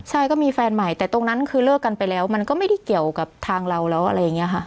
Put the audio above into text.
ใช่ก็มีแฟนใหม่แต่ตรงนั้นคือเลิกกันไปแล้วมันก็ไม่ได้เกี่ยวกับทางเราแล้วอะไรอย่างนี้ค่ะ